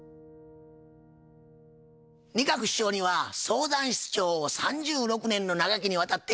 仁鶴師匠には相談室長を３６年の長きにわたってお務め頂きました。